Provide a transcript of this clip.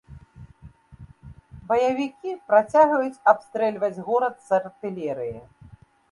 Баевікі працягваюць абстрэльваць горад з артылерыі.